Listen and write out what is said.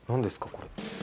これ。